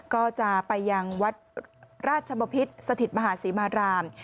ก็จะไปยังวัดราชบพิษสถิตมหาศรีมาราม